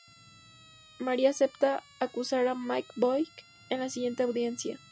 Maria acepta acusar a McCoy en la siguiente audiencia.